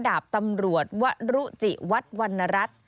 ดาบตำรวจวรุจิวัดวรรณรัฐ